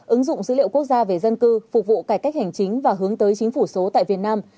ứng dụng dữ liệu quốc gia về dân cư phục vụ cải cách hành chính và hướng tới chính phủ số tại việt nam